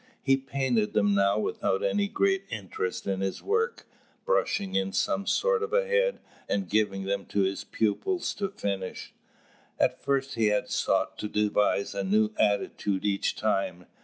He painted them now without any great interest in his work, brushing in some sort of a head, and giving them to his pupil's to finish. At first he had sought to devise a new attitude each time.